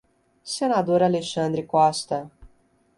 Senador Alexandre Costa